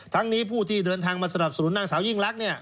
นี้ผู้ที่เดินทางมาสนับสนุนนางสาวยิ่งลักษณ์